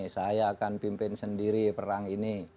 saya akan pimpin sendiri perang ini